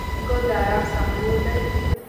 ګل د ارام سمبول دی.